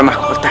aku mau pergi